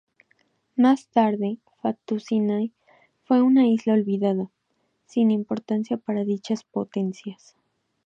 Más tarde "Fatu Sinai" fue una ""isla olvidada"", sin importancia para dichas potencias.